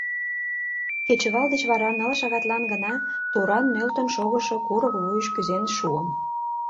Кечывал деч вара ныл шагатлан гына туран нӧлтын шогышо курык вуйыш кӱзен шуым.